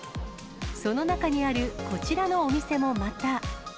その中にあるこちらのお店もまた。